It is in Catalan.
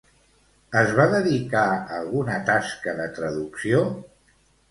Es va dedicar a alguna tasca de traducció?